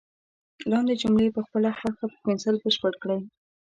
لاندې جملې په خپله خوښه په پنسل بشپړ کړئ.